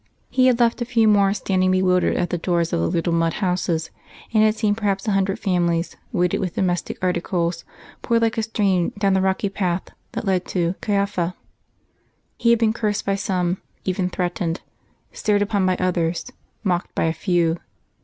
He had left a few more standing bewildered at the doors of the little mud houses; and had seen perhaps a hundred families, weighted with domestic articles, pour like a stream down the rocky path that led to Khaifa. He had been cursed by some, even threatened; stared upon by others; mocked by a few.